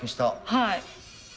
はい。